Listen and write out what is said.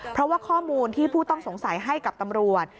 เพราะว่าข้อมูลที่ผู้ต้องสงสัยให้กับตำรวจ